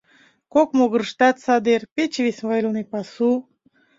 Кок могырыштат садер, пече вес велне пасу.